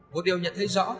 một điều nhận thấy rõ